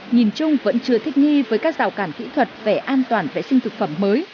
nhìn chung vẫn chưa thích nghi với các rào cản kỹ thuật về an toàn vệ sinh thực phẩm mới